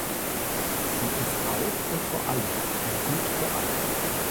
Sie ist auch und vor allem ein Gut für alle.